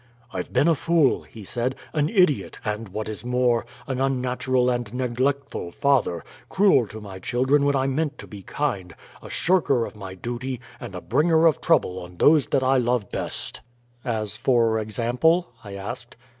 "I've been a fool," he said, "an idiot, and, what is more, an unnatural and neglectful father, cruel to my children when I meant to be kind, a shirker of my duty, and a bringer of trouble on those that I love best." "As for example?" I asked.